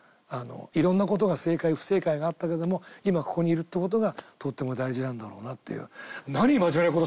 色んな事が正解不正解があったけども今ここにいるって事がとっても大事なんだろうなっていう。